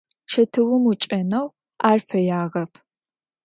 Çetıum 'uç'eneu ar feyağep.